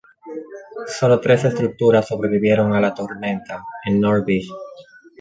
Solo tres estructuras sobrevivieron a la tormenta en North Beach.